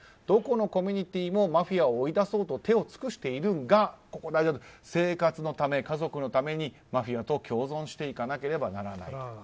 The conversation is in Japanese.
どこのコミュニティーもマフィアを追い出そうと手を尽くしているが生活のため、家族のためにマフィアと共存していかなければならない。